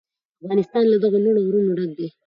افغانستان له دغو لوړو غرونو ډک دی.